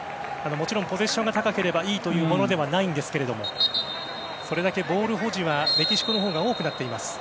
もちろんポゼッションが高ければいいというものではないんですけどそれだけボール保持はメキシコのほうが多くなっています。